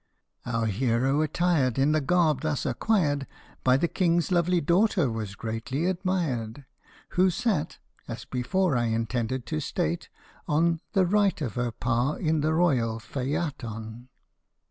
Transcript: Our hero, attired in the garb thus acquired, By the King's lovely daughter was greatly admired, Who sat (as before I intended to state) on The right of her pa in the royal " phe ayton."